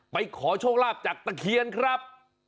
ขอโชคลาภจากตะเคียนครับ